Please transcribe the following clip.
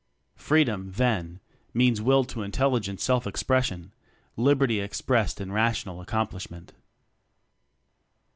Freedom, then, means will to intelli gent self expression liberty ex pressed in rational accomplishment.